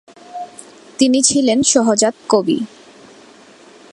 তিনি ছিলেন সহজাত কবি।